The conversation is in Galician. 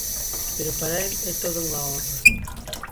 Pero para el é toda unha honra.